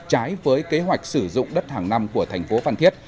trái với kế hoạch sử dụng đất hàng năm của thành phố phan thiết